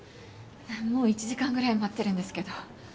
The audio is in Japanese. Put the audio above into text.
もう１時間ぐらい待ってるんですけど。